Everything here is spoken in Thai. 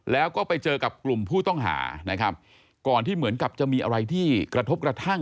แล้วก็ไปเจอกับกลุ่มผู้ต้องหานะครับก่อนที่เหมือนกับจะมีอะไรที่กระทบกระทั่ง